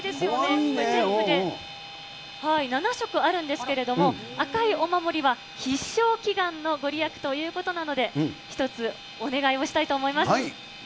これ、全部で７色あるんですけれども、赤いお守りは必勝祈願の御利益ということなので、一つお願いをしたいと思います。